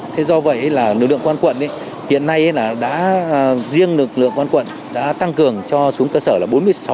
thế do vậy là lực lượng công an quận hiện nay là đã riêng lực lượng công an quận đã tăng cường cho xuống cơ sở là bốn mươi sáu bảy